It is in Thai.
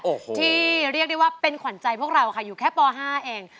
โอ้โหที่เรียกได้ว่าเป็นขวัญใจพวกเราค่ะอยู่แค่ป๕เอง